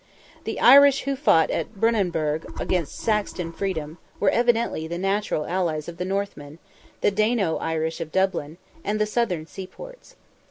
The "Irish" who fought at Brunanburgh against Saxon freedom were evidently the natural allies of the Northmen, the Dano Irish of Dublin, and the southern seaports.